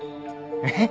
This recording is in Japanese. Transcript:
えっ？